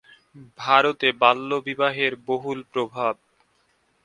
ভারতে বাল্যবিবাহের বহুল প্রভাব।